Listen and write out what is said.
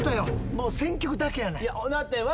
もう選曲だけやねん。